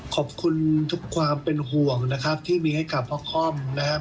ขอบคุณทุกความเป็นห่วงนะครับที่มีให้กับพ่อค่อมนะครับ